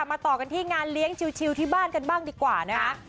ต่อกันที่งานเลี้ยงชิวที่บ้านกันบ้างดีกว่านะคะ